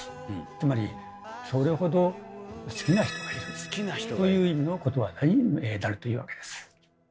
つまりそれほど好きな人がいるという意味のことわざになるというわけです。